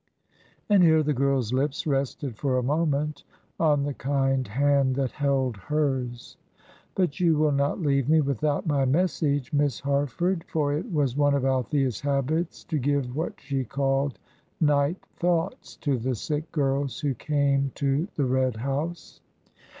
And here the girl's lips rested for a moment on the kind hand that held hers. "But you will not leave me without my message, Miss Harford?" for it was one of Althea's habits to give what she called "night thoughts" to the sick girls who came to the Red House.